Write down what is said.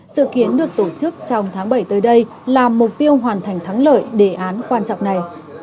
sự kiến được tổ chức trong tháng bảy tới đây là mục tiêu hoàn thành thắng lợi đề án quan trọng này